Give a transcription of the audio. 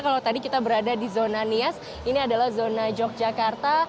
kalau tadi kita berada di zona nias ini adalah zona yogyakarta